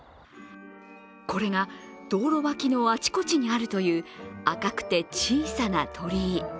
これが道路脇のあちこちにあるという赤くて小さな鳥居。